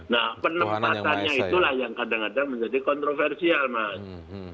nah penempatannya itulah yang kadang kadang menjadi kontroversial mas